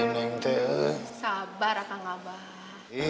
eh sabar yang ini mah heset tuh susah